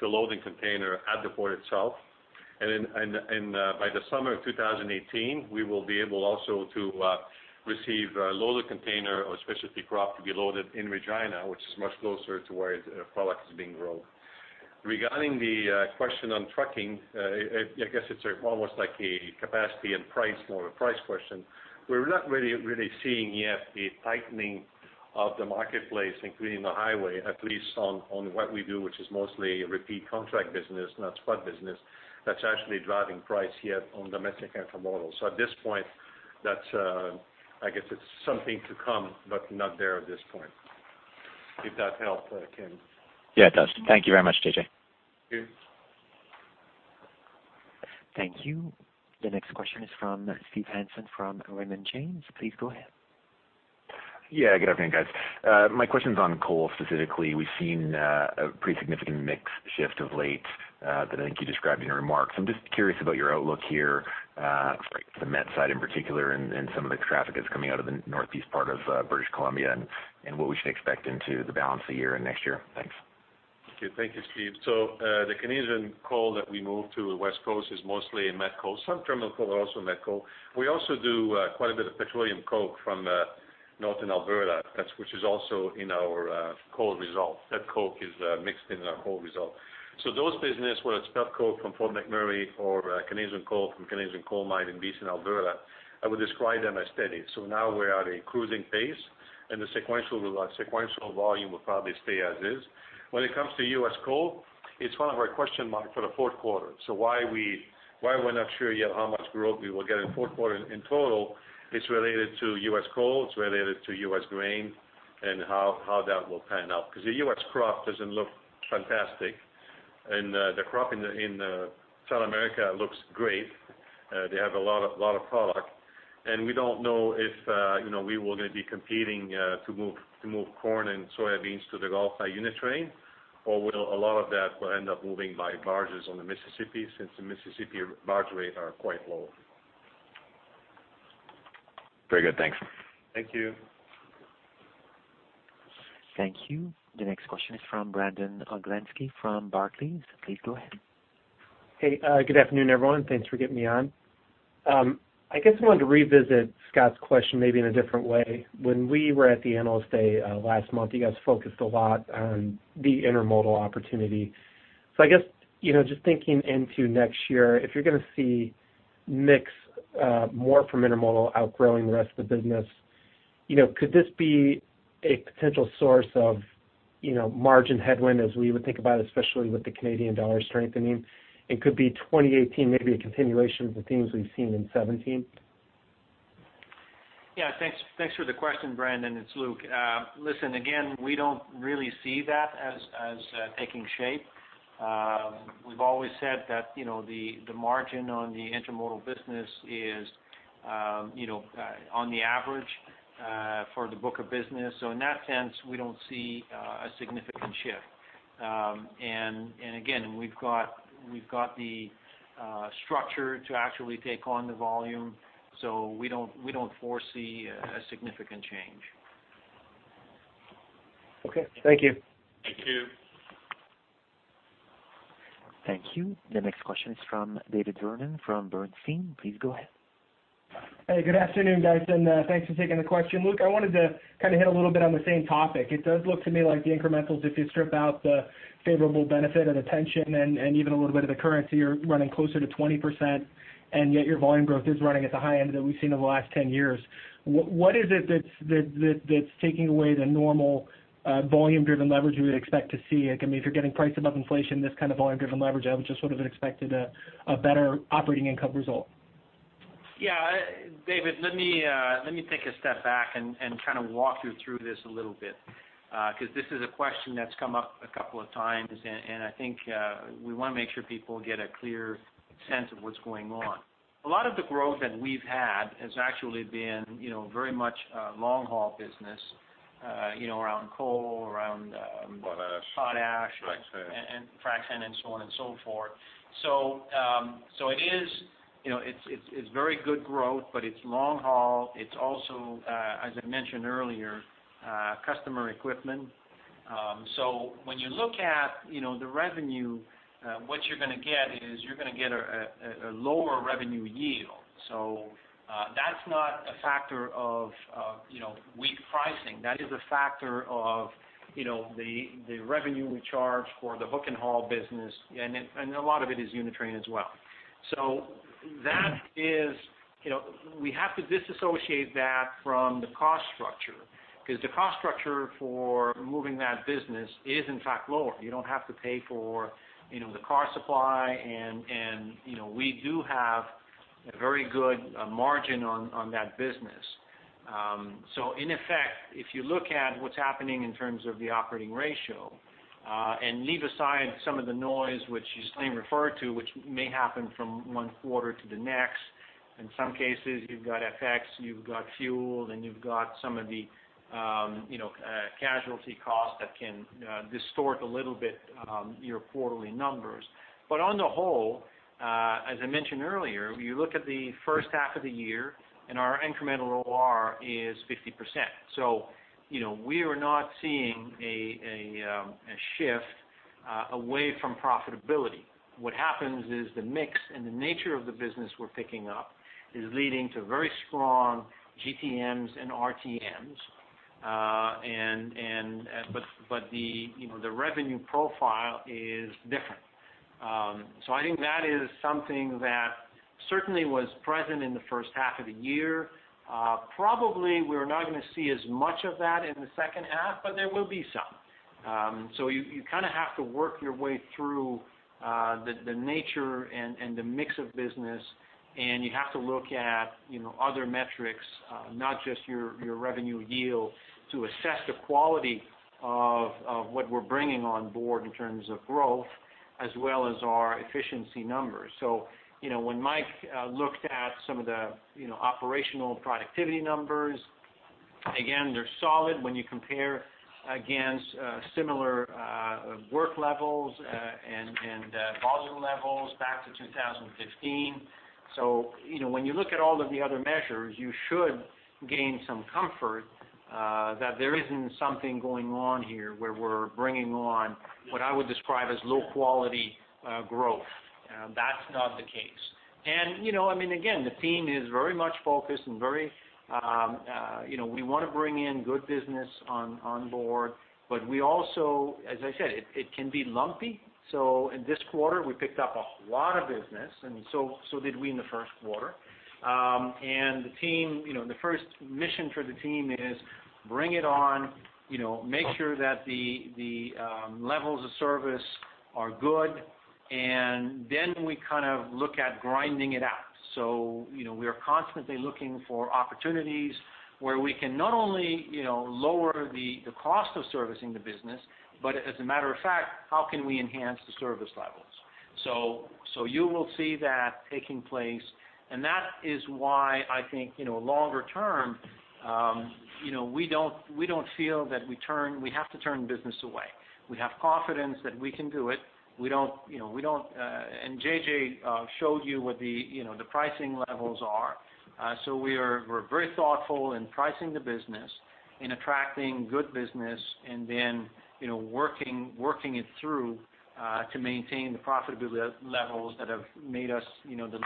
to loading container at the port itself. And then, by the summer of 2018, we will be able also to receive loaded container or specialty crop to be loaded in Regina, which is much closer to where the product is being grown. Regarding the question on trucking, I guess it's almost like a capacity and price, more a price question. We're not really, really seeing yet the tightening of the marketplace, including the highway, at least on what we do, which is mostly repeat contract business, not spot business, that's actually driving price here on domestic intermodal. So at this point, that's, I guess it's something to come, but not there at this point. Did that help, Ken? Yeah, it does. Thank you very much, JJ. Thank you. Thank you. The next question is from Steve Hansen from Raymond James. Please go ahead. Yeah, good afternoon, guys. My question's on coal. Specifically, we've seen a pretty significant mix shift of late that I think you described in your remarks. I'm just curious about your outlook here for the met side in particular, and some of the traffic that's coming out of the northeast part of British Columbia, and what we should expect into the balance of the year and next year. Thanks. Okay. Thank you, Steve. So, the Canadian coal that we move to the West Coast is mostly a met coal, some terminal coal, but also met coal. We also do quite a bit of petroleum coke from northern Alberta, that's which is also in our coal results. That coke is mixed in our coal result. So those business, whether it's pet coke from Fort McMurray or Canadian coal from Canadian coal mine in Beise, Alberta, I would describe them as steady. So now we are at a cruising pace, and the sequential volume will probably stay as is. When it comes to U.S. coal, it's one of our question mark for the fourth quarter. So why we're not sure yet how much growth we will get in fourth quarter in total, it's related to U.S. coal, it's related to U.S. grain and how that will pan out. Because the U.S. crop doesn't look fantastic, and the crop in South America looks great. They have a lot of product, and we don't know if you know, we were gonna be competing to move corn and soybeans to the Gulf by unit train, or will a lot of that will end up moving by barges on the Mississippi, since the Mississippi barge rates are quite low. Very good. Thanks. Thank you. Thank you. The next question is from Brandon Oglenski from Barclays. Please go ahead. Hey, good afternoon, everyone. Thanks for getting me on. I guess I wanted to revisit Scott's question, maybe in a different way. When we were at the Analyst Day, last month, you guys focused a lot on the intermodal opportunity. So I guess, you know, just thinking into next year, if you're gonna see mix, more from intermodal outgrowing the rest of the business, you know, could this be a potential source of, you know, margin headwind, as we would think about, especially with the Canadian dollar strengthening? And could 2018 maybe be a continuation of the themes we've seen in 2017? Yeah. Thanks, thanks for the question, Brandon. It's Luc. Listen, again, we don't really see that as, as, taking shape. We've always said that, you know, the margin on the intermodal business is, you know, on the average, for the book of business. So in that sense, we don't see a significant shift. And again, we've got the structure to actually take on the volume, so we don't foresee a significant change. Okay. Thank you. Thank you. Thank you. The next question is from David Vernon from Bernstein. Please go ahead. Hey, good afternoon, guys, and, thanks for taking the question. Luc, I wanted to kind of hit a little bit on the same topic. It does look to me like the incrementals, if you strip out the favorable benefit and pension and even a little bit of the currency, you're running closer to 20%, and yet your volume growth is running at the high end that we've seen over the last 10 years. What is it that's taking away the normal, volume-driven leverage we would expect to see? Again, if you're getting priced above inflation, this kind of volume-driven leverage, I would have just sort of expected a better operating income result. Yeah, David, let me take a step back and kind of walk you through this a little bit, because this is a question that's come up a couple of times, and I think we wanna make sure people get a clear sense of what's going on. A lot of the growth that we've had has actually been, you know, very much long-haul business, you know, around coal, around, Potash. Potash- Frac sand. Frac sand, and so on and so forth. So it is, you know, it's, it's, it's very good growth, but it's long haul. It's also, as I mentioned earlier, customer equipment. So when you look at, you know, the revenue, what you're gonna get is, you're gonna get a lower revenue yield. So that's not a factor of, you know, weak pricing. That is a factor of, you know, the revenue we charge for the hook-and-haul business, and it, and a lot of it is unit train as well. So that is, you know, we have to disassociate that from the cost structure, because the cost structure for moving that business is in fact lower. You don't have to pay for, you know, the car supply and, you know, we do have a very good margin on that business. So in effect, if you look at what's happening in terms of the operating ratio and leave aside some of the noise which you rightly referred to, which may happen from one quarter to the next. In some cases, you've got FX, you've got fuel, and you've got some of the, you know, casualty costs that can distort a little bit your quarterly numbers. But on the whole, as I mentioned earlier, you look at the first half of the year, and our incremental OR is 50%. So, you know, we are not seeing a shift away from profitability. What happens is the mix and the nature of the business we're picking up is leading to very strong GTMs and RTMs. You know, the revenue profile is different. So I think that is something that certainly was present in the first half of the year. Probably we're not gonna see as much of that in the second half, but there will be some. So you kinda have to work your way through the nature and the mix of business, and you have to look at, you know, other metrics, not just your revenue yield, to assess the quality of what we're bringing on board in terms of growth, as well as our efficiency numbers. So, you know, when Mike looked at some of the, you know, operational productivity numbers, again, they're solid when you compare against, similar, work levels, and volume levels back to 2015. So, you know, when you look at all of the other measures, you should gain some comfort, that there isn't something going on here, where we're bringing on what I would describe as low-quality, growth. That's not the case. And, you know, I mean, again, the team is very much focused and very, you know, we wanna bring in good business on board, but we also, as I said, it can be lumpy. So in this quarter, we picked up a lot of business, and so did we in the first quarter. And the team, you know, the first mission for the team is bring it on, you know, make sure that the levels of service are good, and then we kind of look at grinding it out. So, you know, we are constantly looking for opportunities where we can not only, you know, lower the cost of servicing the business, but as a matter of fact, how can we enhance the service levels? So you will see that taking place, and that is why I think, you know, longer term, you know, we don't feel that we have to turn business away. We have confidence that we can do it. We don't, you know, we don't. And JJ showed you what the, you know, the pricing levels are. So we're very thoughtful in pricing the business, in attracting good business, and then, you know, working it through to maintain the profitability levels that have made us, you know, the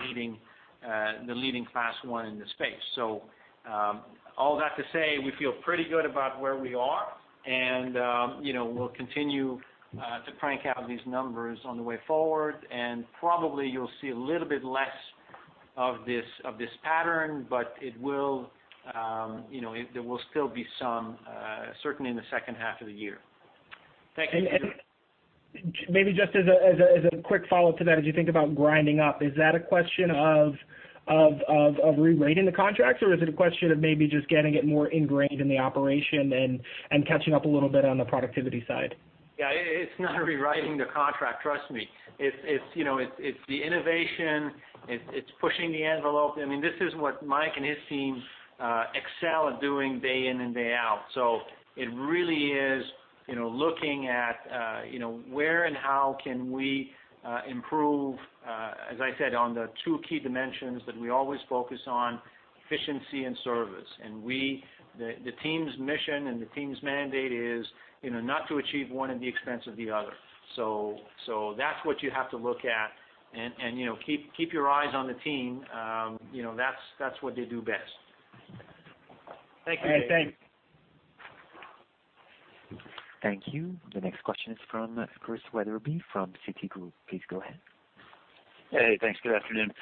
leading Class One in the space. So all that to say, we feel pretty good about where we are, and you know, we'll continue to crank out these numbers on the way forward. And probably you'll see a little bit less of this pattern, but it will, you know, there will still be some certainly in the second half of the year. Thank you. Maybe just as a quick follow-up to that, as you think about grinding up, is that a question of rewriting the contracts, or is it a question of maybe just getting it more ingrained in the operation and catching up a little bit on the productivity side? Yeah, it's not rewriting the contract, trust me. It's you know it's the innovation. It's pushing the envelope. I mean, this is what Mike and his team excel at doing day in and day out. So it really is you know looking at you know where and how can we improve as I said on the two key dimensions that we always focus on, efficiency and service. And we the team's mission and the team's mandate is you know not to achieve one at the expense of the other. So that's what you have to look at, and you know keep keep your eyes on the team. You know that's what they do best. Thank you, David. All right, thanks. Thank you. The next question is from Chris Wetherbee, from Citigroup. Please go ahead. Hey, thanks. Good afternoon.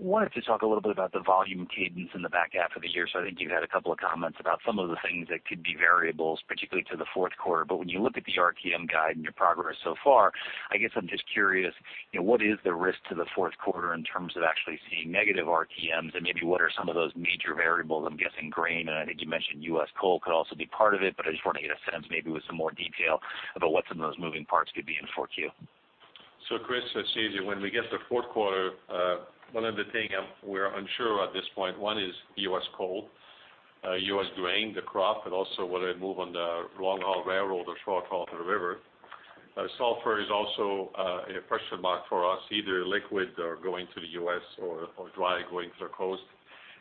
Wanted to talk a little bit about the volume cadence in the back half of the year. So I think you had a couple of comments about some of the things that could be variables, particularly to the fourth quarter. But when you look at the RTM guide and your progress so far, I guess I'm just curious, you know, what is the risk to the fourth quarter in terms of actually seeing negative RTMs? And maybe what are some of those major variables, I'm guessing grain, and I think you mentioned U.S. coal could also be part of it, but I just want to get a sense, maybe with some more detail about what some of those moving parts could be in 4Q. So, Chris, it's JJ. When we get to fourth quarter, one of the thing we're unsure at this point, one is U.S. coal, U.S. grain, the crop, but also whether it move on the long-haul railroad or short-haul to the river. Sulfur is also a question mark for us, either liquid or going to the U.S. or dry going to the coast.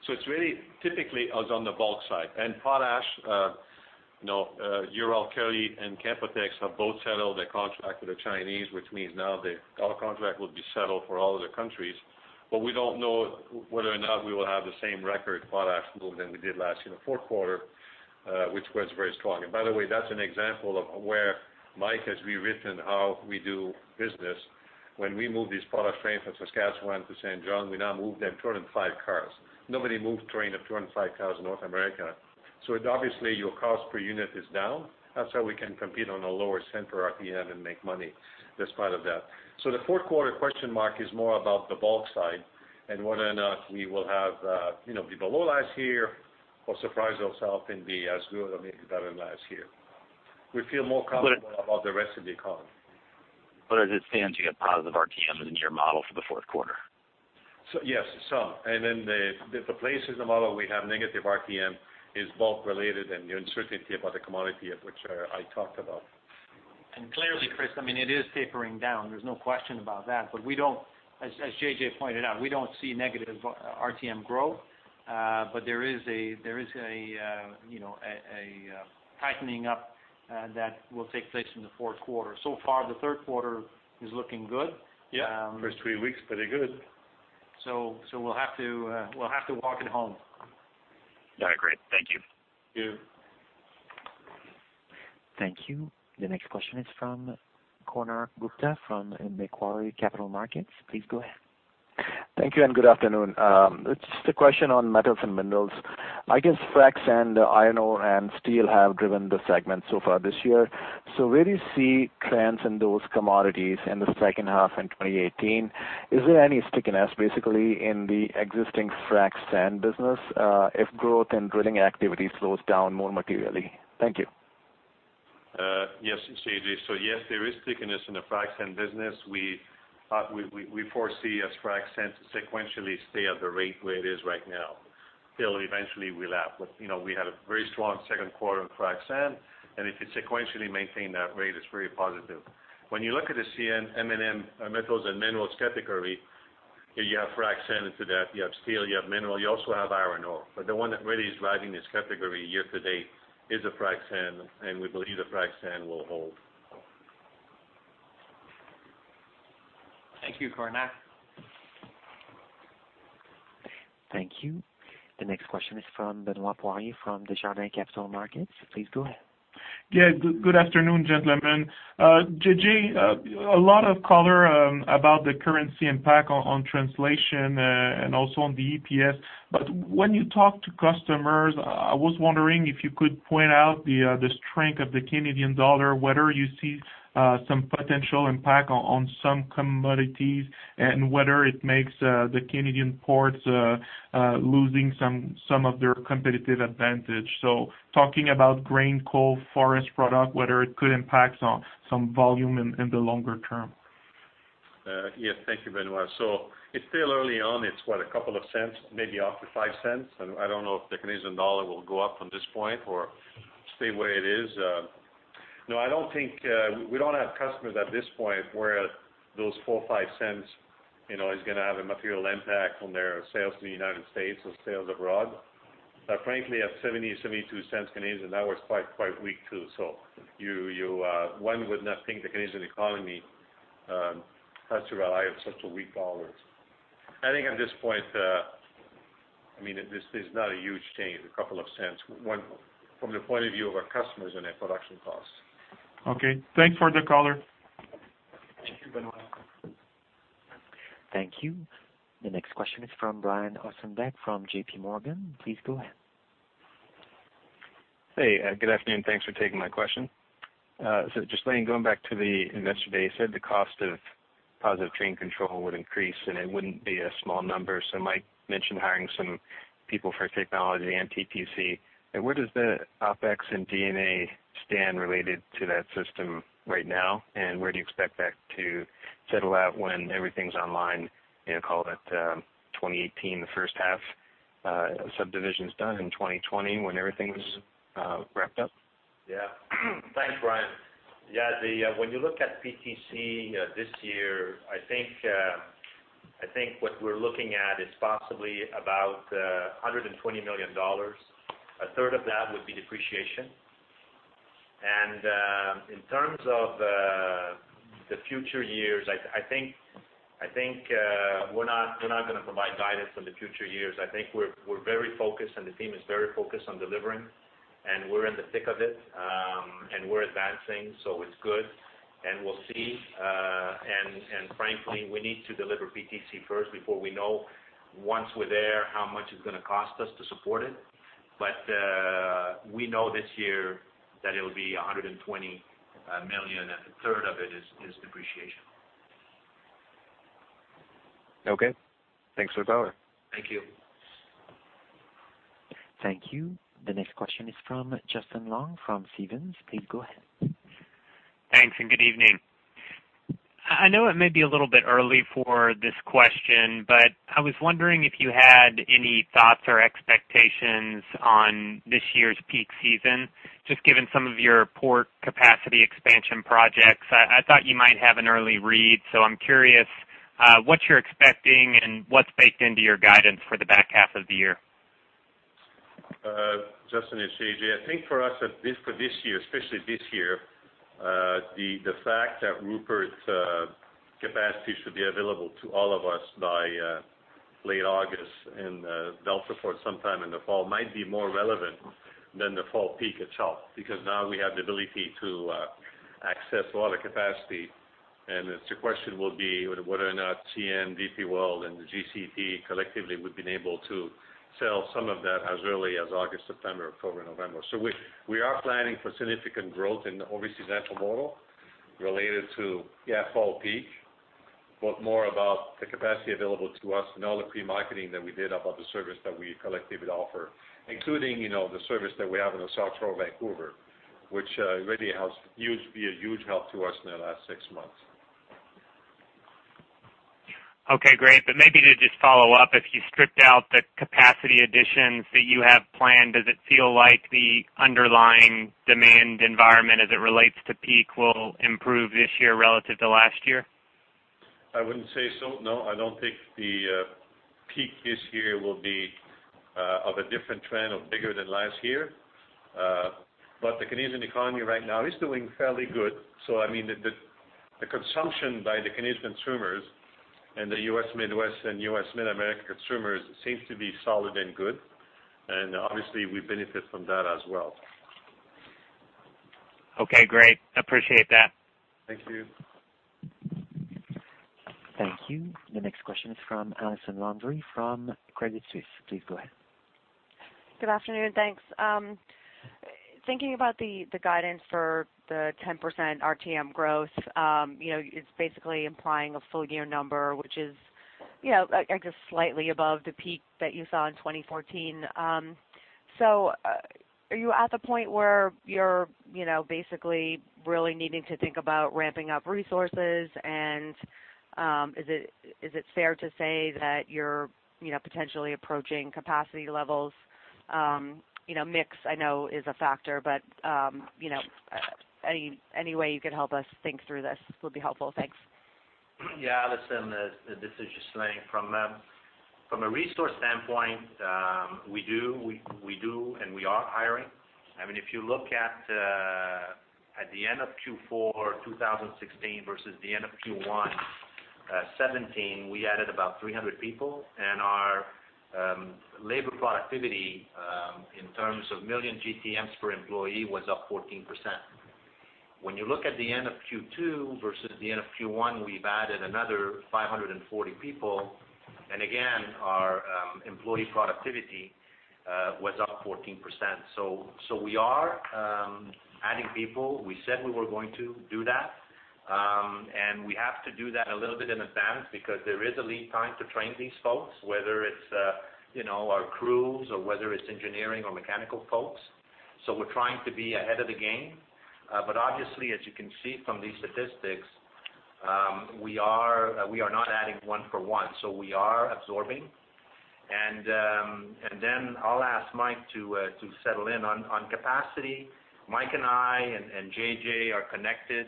So it's really typically us on the bulk side. And potash, you know, Uralkali and Potash have both settled their contract with the Chinese, which means now our contract will be settled for all other countries. But we don't know whether or not we will have the same record potash move than we did last year, the fourth quarter, which was very strong. And by the way, that's an example of where Mike has rewritten how we do business. When we move these potash trains from Saskatchewan to Saint John, we now move them 205 cars. Nobody moved train of 205 cars in North America. So obviously, your cost per unit is down. That's how we can compete on a lower cent per RTM and make money as part of that. So the fourth quarter question mark is more about the bulk side and whether or not we will have, you know, be below last year or surprise ourselves and be as good or maybe better than last year. We feel more comfortable- But- about the rest of the economy. But as it stands, you get positive RTMs in your model for the fourth quarter? So yes, some. And then the places in the model we have negative RTM is both related and the uncertainty about the commodity, of which, I talked about. Clearly, Chris, I mean, it is tapering down, there's no question about that. But we don't – as JJ pointed out, we don't see negative RTM growth, but there is a tightening up that will take place in the fourth quarter. So far, the third quarter is looking good. Yeah, first three weeks, pretty good. So we'll have to walk it home. All right, great. Thank you. Thank you. Thank you. The next question is from Konark Gupta from Macquarie Capital Markets. Please go ahead. Thank you, and good afternoon. It's just a question on metals and minerals. I guess frac sand, iron ore, and steel have driven the segment so far this year. So where do you see trends in those commodities in the second half in 2018? Is there any stickiness, basically, in the existing frac sand business, if growth and drilling activity slows down more materially? Thank you. Yes, it's JJ. So yes, there is stickiness in the frac sand business. We foresee as frac sand sequentially stay at the rate where it is right now till eventually we lap. But, you know, we had a very strong second quarter in frac sand, and if it sequentially maintain that rate, it's very positive. When you look at the CN, M&M, Metals and Minerals category—You have frac sand into that, you have steel, you have mineral, you also have iron ore. But the one that really is driving this category year-to-date is the frac sand, and we believe the frac sand will hold. Thank you, Konark. Thank you. The next question is from Benoit Poirier, from Desjardins Capital Markets. Please go ahead. Yeah, good afternoon, gentlemen. JJ, a lot of color about the currency impact on translation and also on the EPS. But when you talk to customers, I, I was wondering if you could point out the strength of the Canadian dollar, whether you see some potential impact on some commodities, and whether it makes the Canadian ports losing some of their competitive advantage. So talking about grain, coal, forest product, whether it could impact some volume in the longer term. Yes, thank you, Benoit. It's still early on. It's what? A couple of cents, maybe up to 0.05, and I don't know if the Canadian dollar will go up from this point or stay the way it is. No, I don't think we don't have customers at this point, where those 0.04-0.05, you know, is gonna have a material impact on their sales in the United States or sales abroad. But frankly, at 0.70-0.72 Canadian, that was quite, quite weak, too. So you one would not think the Canadian economy has to rely on such a weak dollar. I think at this point, I mean, this is not a huge change, a couple of cents from the point of view of our customers and their production costs. Okay, thanks for the color. Thank you, Benoit. Thank you. The next question is from Brian Ossenbeck from JPMorgan. Please go ahead. Hey, good afternoon. Thanks for taking my question. So just going back to the Investor Day, you said the cost of Positive Train Control would increase, and it wouldn't be a small number. So Mike mentioned hiring some people for technology and PTC. Where does the OpEx and CapEx stand related to that system right now, and where do you expect that to settle out when everything's online, you know, call it 2018, the first half, subdivision's done in 2020, when everything's wrapped up? Yeah. Thanks, Brian. Yeah, when you look at PTC this year, I think what we're looking at is possibly about 120 million dollars. A third of that would be depreciation. And in terms of the future years, I think we're not gonna provide guidance on the future years. I think we're very focused, and the team is very focused on delivering, and we're in the thick of it, and we're advancing, so it's good. And we'll see, and frankly, we need to deliver PTC first before we know, once we're there, how much it's gonna cost us to support it. But we know this year that it'll be 120 million, and a third of it is depreciation. Okay. Thanks for the color. Thank you. Thank you. The next question is from Justin Long, from Stephens. Please go ahead. Thanks, and good evening. I know it may be a little bit early for this question, but I was wondering if you had any thoughts or expectations on this year's peak season, just given some of your port capacity expansion projects. I thought you might have an early read, so I'm curious what you're expecting and what's baked into your guidance for the back half of the year? Justin, it's JJ. I think for us, at this, for this year, especially this year, the fact that Rupert's capacity should be available to all of us by late August and Delta for sometime in the fall, might be more relevant than the fall peak itself. Because now we have the ability to access all the capacity, and the question will be whether or not CN, DP World, and the GCT collectively, we've been able to sell some of that as early as August, September, October, November. So we are planning for significant growth in the overseas intermodal related to, yeah, fall peak, but more about the capacity available to us and all the pre-marketing that we did about the service that we collectively offer, including, you know, the service that we have in the South Shore, Vancouver, which really has huge, be a huge help to us in the last six months. Okay, great. But maybe to just follow up, if you stripped out the capacity additions that you have planned, does it feel like the underlying demand environment as it relates to peak, will improve this year relative to last year? I wouldn't say so. No, I don't think the peak this year will be of a different trend of bigger than last year. But the Canadian economy right now is doing fairly good. So I mean, the consumption by the Canadian consumers and the U.S. Midwest and U.S. Mid-America consumers seems to be solid and good, and obviously, we benefit from that as well. Okay, great. Appreciate that. Thank you. Thank you. The next question is from Allison Landry, from Credit Suisse. Please go ahead. Good afternoon, thanks. Thinking about the guidance for the 10% RTM growth, you know, it's basically implying a full year number, which is, you know, I guess, slightly above the peak that you saw in 2014. So, are you at the point where you're, you know, basically really needing to think about ramping up resources? And, is it fair to say that you're, you know, potentially approaching capacity levels?... you know, mix I know is a factor, but you know, any way you could help us think through this would be helpful. Thanks. Yeah, Allison, this is Ghislain. From a resource standpoint, we do, and we are hiring. I mean, if you look at the end of Q4, 2016 versus the end of Q1, 2017, we added about 300 people, and our labor productivity in terms of million GTMs per employee was up 14%. When you look at the end of Q2 versus the end of Q1, we've added another 540 people, and again, our employee productivity was up 14%. So we are adding people. We said we were going to do that. And we have to do that a little bit in advance because there is a lead time to train these folks, whether it's, you know, our crews or whether it's engineering or mechanical folks. So we're trying to be ahead of the game. But obviously, as you can see from these statistics, we are not adding one for one, so we are absorbing. And then I'll ask Mike to settle in on capacity. Mike and I and JJ are connected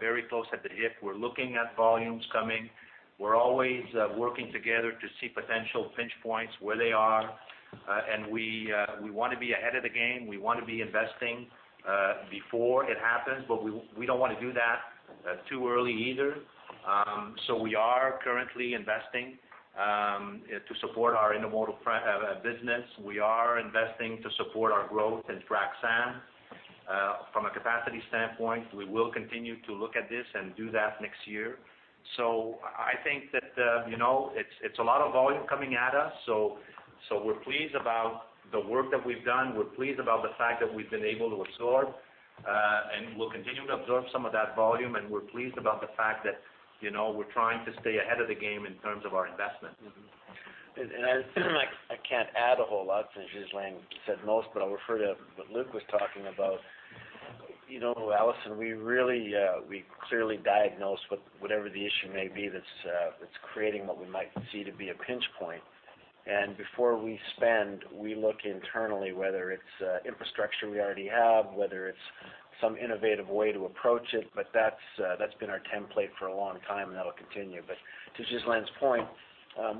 very close at the hip. We're looking at volumes coming. We're always working together to see potential pinch points, where they are. And we wanna be ahead of the game. We wanna be investing before it happens, but we don't wanna do that too early either. So we are currently investing to support our intermodal business. We are investing to support our growth in frac sand. From a capacity standpoint, we will continue to look at this and do that next year. So I think that, you know, it's a lot of volume coming at us, so we're pleased about the work that we've done. We're pleased about the fact that we've been able to absorb and we'll continue to absorb some of that volume, and we're pleased about the fact that, you know, we're trying to stay ahead of the game in terms of our investment. Mm-hmm. And I can't add a whole lot since Ghislain said most, but I'll refer to what Luc was talking about. You know, Allison, we really, we clearly diagnose whatever the issue may be that's creating what we might see to be a pinch point. And before we spend, we look internally, whether it's infrastructure we already have, whether it's some innovative way to approach it, but that's been our template for a long time, and that'll continue. But to Ghislain's point,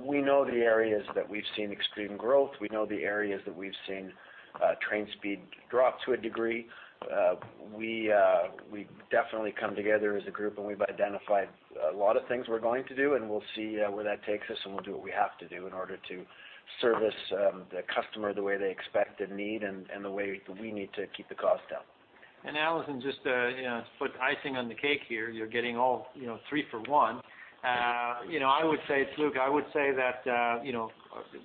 we know the areas that we've seen extreme growth. We know the areas that we've seen train speed drop to a degree. We've definitely come together as a group, and we've identified a lot of things we're going to do, and we'll see where that takes us, and we'll do what we have to do in order to service the customer the way they expect and need, and the way we need to keep the cost down. Allison, just to, you know, put icing on the cake here, you're getting all, you know, three for one. You know, I would say, it's Luc, I would say that, you know,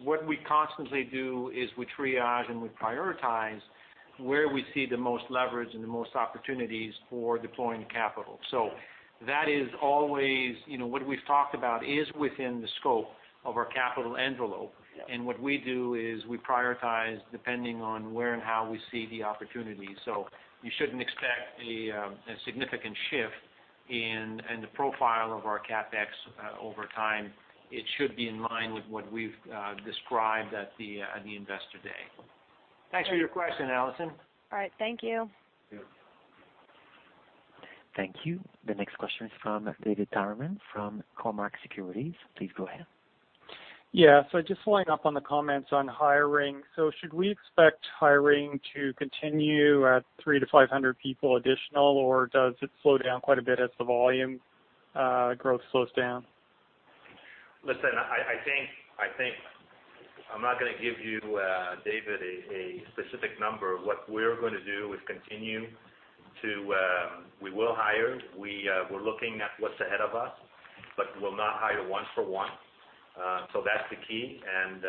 what we constantly do is we triage and we prioritize where we see the most leverage and the most opportunities for deploying the capital. So that is always... You know, what we've talked about is within the scope of our capital envelope. Yeah. And what we do is we prioritize, depending on where and how we see the opportunity. So you shouldn't expect a significant shift in the profile of our CapEx over time. It should be in line with what we've described at the Investor Day. Thanks for your question, Allison. All right, thank you. Yeah. Thank you. The next question is from David Tyerman from Cormark Securities. Please go ahead. Yeah, so just following up on the comments on hiring. So should we expect hiring to continue at 300-500 people additional, or does it slow down quite a bit as the volume growth slows down? Listen, I think I'm not gonna give you, David, a specific number. What we're gonna do is continue to. We will hire. We're looking at what's ahead of us, but we'll not hire one for one. So that's the key, and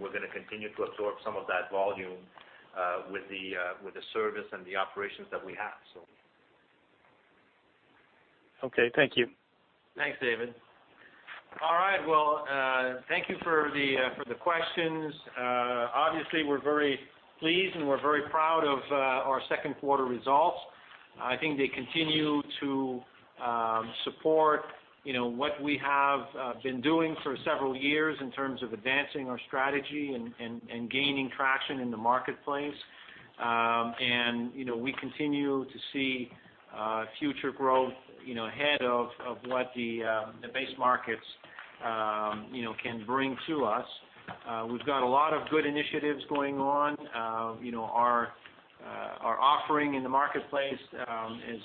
we're gonna continue to absorb some of that volume with the service and the operations that we have, so. Okay, thank you. Thanks, David. All right, well, thank you for the questions. Obviously, we're very pleased, and we're very proud of our second quarter results. I think they continue to support, you know, what we have been doing for several years in terms of advancing our strategy and gaining traction in the marketplace. And, you know, we continue to see future growth, you know, ahead of what the base markets, you know, can bring to us. We've got a lot of good initiatives going on. You know, our offering in the marketplace is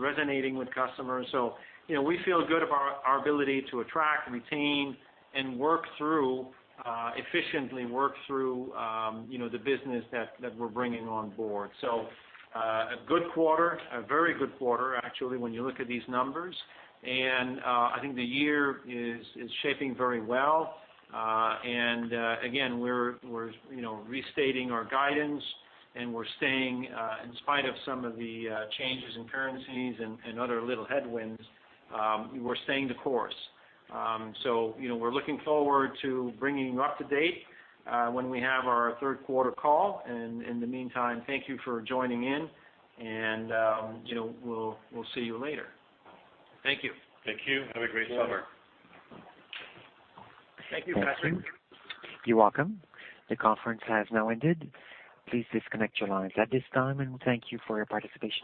resonating with customers. So, you know, we feel good about our ability to attract, retain, and work through efficiently, you know, the business that we're bringing on board. So, a good quarter, a very good quarter, actually, when you look at these numbers, and I think the year is shaping very well. And again, we're, you know, restating our guidance, and we're staying in spite of some of the changes in currencies and other little headwinds, we're staying the course. So, you know, we're looking forward to bringing you up to date when we have our third quarter call. And in the meantime, thank you for joining in, and you know, we'll see you later. Thank you. Thank you. Have a great summer. Thank you, Patrick. You're welcome. The conference has now ended. Please disconnect your lines at this time, and thank you for your participation.